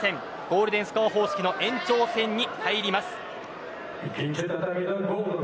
ゴールデンスコア方式の延長戦に入ります。